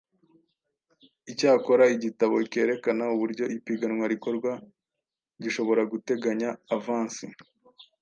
Icyakora, igitabo kerekana uburyo ipiganwa rikorwa gishobora guteganya avansi